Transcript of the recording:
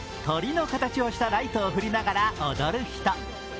鳥の形をしたライトを振りながら踊る人。